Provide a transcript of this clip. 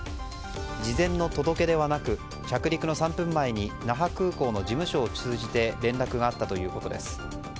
事前の届け出はなく着陸の３分前に那覇空港の事務所を通じて連絡があったということです。